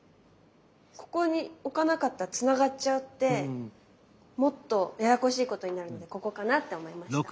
ここに置かなかったらつながっちゃってもっとややこしいことになるのでここかなって思いました。